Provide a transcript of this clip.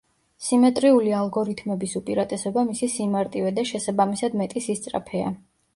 სიმეტრიული ალგორითმების უპირატესობა მისი სიმარტივე და შესაბამისად მეტი სისწრაფეა.